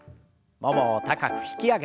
ももを高く引き上げて。